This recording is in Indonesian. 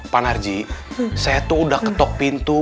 pak narji saya tuh udah ketok pintu